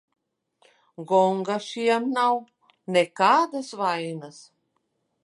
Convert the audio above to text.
Gonga šiem nav, nekādas vainas.